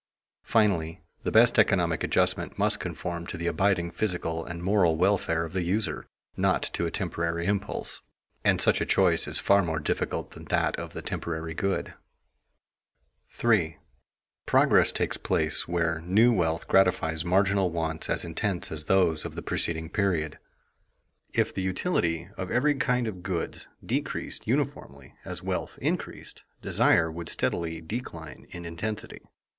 Finally, the best economic adjustment must conform to the abiding physical and moral welfare of the user, not to a temporary impulse; and such a choice is far more difficult than that of the temporary good. [Sidenote: Progress and the refinement of desires] 3. Progress takes place where new wealth gratifies marginal wants as intense as those of the preceding period. If the utility of every kind of goods decreased uniformly as wealth increased, desire would steadily decline in intensity.